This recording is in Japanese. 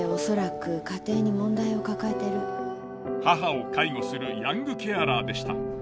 母を介護するヤングケアラーでした。